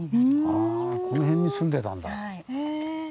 あこの辺に住んでたんだ。